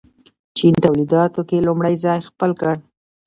چین تولیداتو کې لومړی ځای خپل کړ.